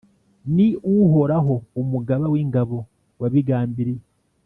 Ni uhoraho, Umugaba w’ingabo, wabigambiriye,